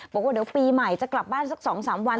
บอกว่าเดี๋ยวปีใหม่จะกลับบ้านสัก๒๓วัน